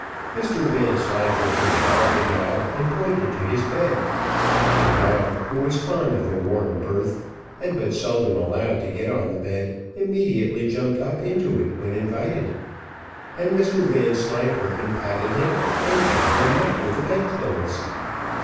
Mr Vanslyperken called the dog, and pointed to his bed. The dog, who was fond of a warm berth, and but seldom allowed to get on the bed, immediately jumped up into it when invited, and Mr Vanslyperken patted him, and covered him up with the bedclothes.